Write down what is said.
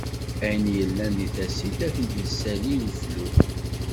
Ayen illan di tasilt, ad t-id issali iflu.